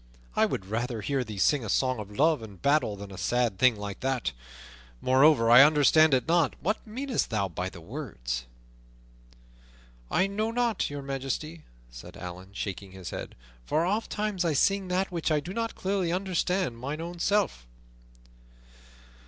I would rather hear thee sing a song of love and battle than a sad thing like that. Moreover, I understand it not; what meanest thou by the words?" "I know not, Your Majesty," said Allan, shaking his head, "for ofttimes I sing that which I do not clearly understand mine own self."